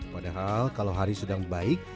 padahal kalau hari sedang baik